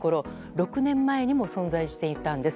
６年前にも存在していたんです。